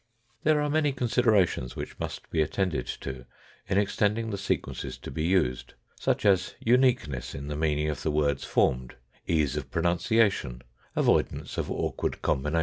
There are many considerations which must be attended to in extending the sequences to be used, such as uniqueness in the meaning of the words formed, ease of pronunciation, avoidance of awkward combinations.